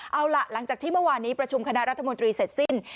เอาล่ะหลังจากที่เมื่อวานนี้ประชุมคณะรัฐมนตรีเสร็จสิ้น